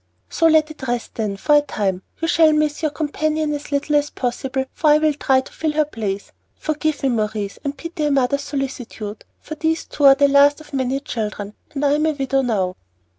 "So let it rest then, for a time. You shall miss your companion as little as possible, for I will try to fill her place. Forgive me, Maurice, and pity a mother's solicitude, for these two are the last of many children, and I am a widow now."